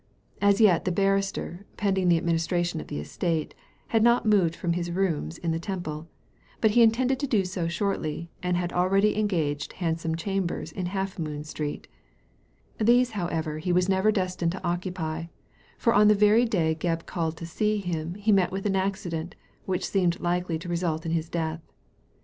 As yet the barrister, pending the administration of the estate, had not moved from his rooms in the Temple; but he in tended to do so shortly, and already had engaged handsome chambers in Half moon Street Thes^ however, he was never destined to occupy, for on the very day Gebb called to see him he met with an accident which seemed likely to result in his death.